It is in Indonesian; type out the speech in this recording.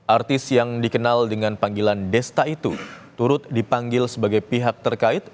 artis yang dikenal dengan panggilan desta itu turut dipanggil sebagai pihak terkait